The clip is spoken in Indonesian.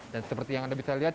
dan seperti yang anda bisa lihat